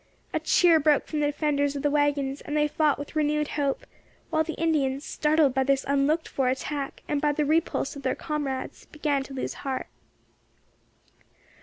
A cheer broke from the defenders of the waggons, and they fought with renewed hope, while the Indians, startled by this unlooked for attack, and by the repulse of their comrades, began to lose heart.